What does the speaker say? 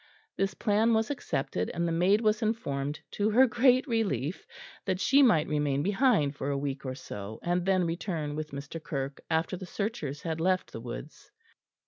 This plan was accepted, and the maid was informed to her great relief that she might remain behind for a week or so, and then return with Mr. Kirke after the searchers had left the woods.